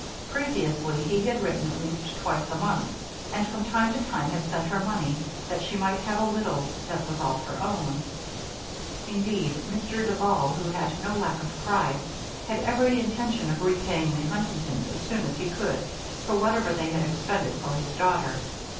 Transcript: Previously, he had written at least twice a month and, from time to time, had sent her money; that she might have a little that was all her own. Indeed, Mr. Duval, who had no lack of pride, had every intention of repaying the Huntingtons as soon as he could for whatever they had expended for his daughter.